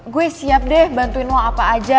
gue siap deh bantuin uang apa aja